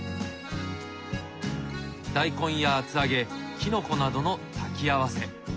大根や厚揚げキノコなどの煮き合わせ。